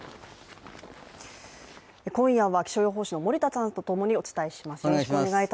今夜は気象予報士の森田さんとともにお伝えします。